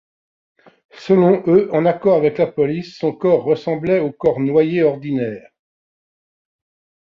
Selon eux, en accord avec la police, son corps ressemblait aux corps noyés ordinaires.